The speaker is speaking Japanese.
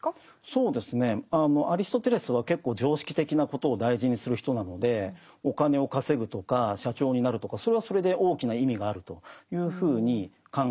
そうですねアリストテレスは結構常識的なことを大事にする人なのでお金を稼ぐとか社長になるとかそれはそれで大きな意味があるというふうに考えます。